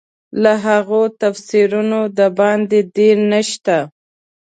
له هغو تفسیرونو د باندې دین نشته.